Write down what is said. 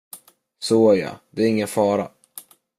Så ja, det är ingen fara.